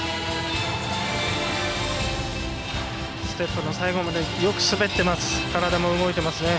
ステップの最後までよく滑っています。